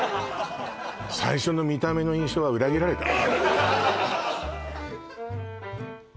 最初の見た目の印象は裏切られたわ